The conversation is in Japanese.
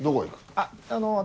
あっあの私。